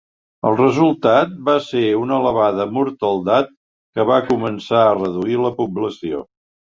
El seu resultat va ser una elevada mortaldat que va començar a reduir la població.